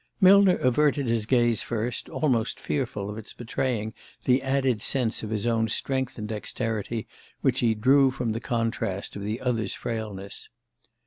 Millner averted his gaze first, almost fearful of its betraying the added sense of his own strength and dexterity which he drew from the contrast of the other's frailness.